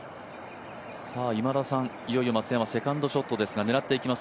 今田さん、いよいよ松山セカンドショットですが狙っていきます。